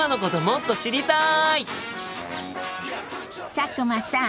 佐久間さん。